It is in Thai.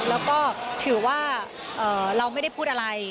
แล้วก็ถือว่าเราไม่ได้พูดอะไร